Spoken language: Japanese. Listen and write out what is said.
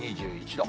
２１度。